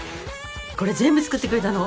これ全部作ってくれたの？